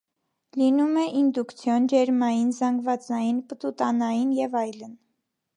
Լինում է ինդուկցիոն, ջերմային, զանգվածային, պտուտանային և այլն։